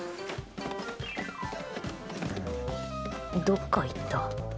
どっかいった。